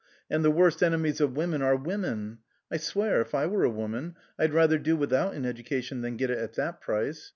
And the worst enemies of women are women. I swear, if I were a woman, I'd rather do without an education than get it at that price.